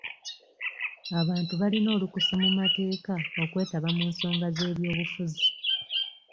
Abantu balina olukusa mu mateeka okwetaba mu nsonga z'ebyobufuzi.